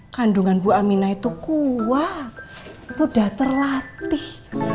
kandungan bu amina itu kuat sudah terlatih